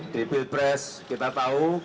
di pilpres kita tahu